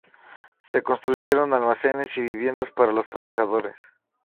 Se construyeron almacenes y viviendas para los trabajadores.